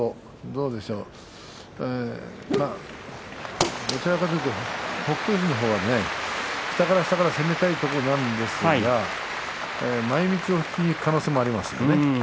どちらかというと北勝富士の方は下から下から攻めたいところなんですが前みつを引きにいく可能性もありますね。